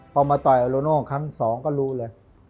พอมาต่อยอโลโน่ครั้งสองก็รู้เลย